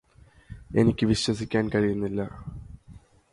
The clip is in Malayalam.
എനിക്ക് വിശ്വസിക്കാൻ കഴിയുന്നില്ല